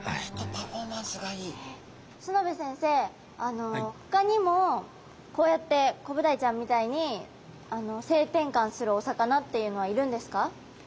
須之部先生あのほかにもこうやってコブダイちゃんみたいに性転換するお魚っていうのはいるんですか？